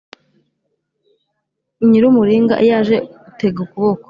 nyiri umuringa iyo aje utega ukuboko